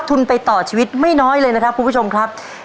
ทุนไปต่อชีวิตไม่น้อยเลยนะครับคุณผู้ชมครับ